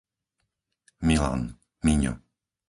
Milan, Miňo